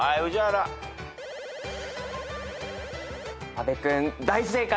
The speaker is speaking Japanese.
阿部君大正解。